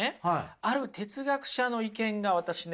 ある哲学者の意見が私ね